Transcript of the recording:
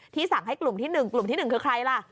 สั่งให้กลุ่มที่๑กลุ่มที่๑คือใครล่ะ